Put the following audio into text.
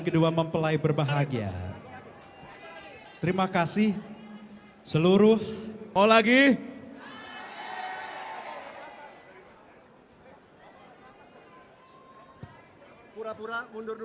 kedua mempelai berbahagia terima kasih seluruh oh lagi pura pura mundur